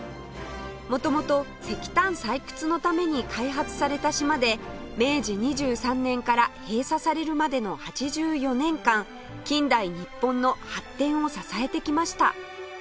元々石炭採掘のために開発された島で明治２３年から閉鎖されるまでの８４年間近代日本の発展を支えてきました